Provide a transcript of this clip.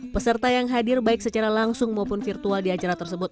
peserta yang hadir baik secara langsung maupun virtual di acara tersebut